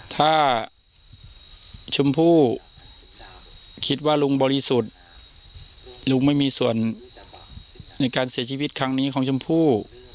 ถ้าชมพู่คิดว่าลุงบริสุทธิ์ลุงไม่มีส่วนในการเสียชีวิตครั้งนี้ของชมพู่